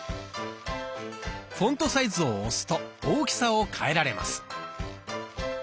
「フォントサイズ」を押すと大きさを変えられます。